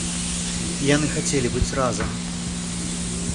Яны хацелі быць разам.